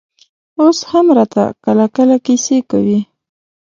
اوس هم راته کله کله کيسې کوي.